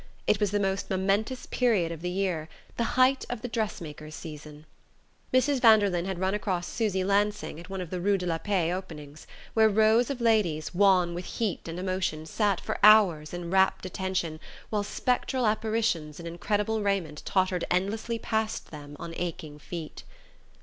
It was the most momentous period of the year: the height of the "dress makers' season." Mrs. Vanderlyn had run across Susy Lansing at one of the Rue de la Paix openings, where rows of ladies wan with heat and emotion sat for hours in rapt attention while spectral apparitions in incredible raiment tottered endlessly past them on aching feet.